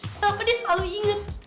kenapa dia selalu inget